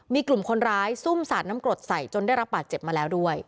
มีกลุ่มคนร้ายซุ่มสาดน้ำกรดใส่จนได้รับบาดเจ็บมาแล้วด้วย